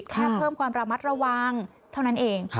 แค่เพิ่มความระมัดระวังเท่านั้นเอง